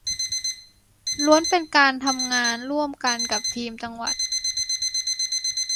ล้วนเป็นการทำงานร่วมกันกับทีมจังหวัด